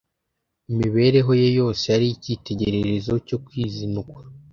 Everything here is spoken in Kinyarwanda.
,. Imibereho ye yose yari icyitegererezo cyo kwizinukwa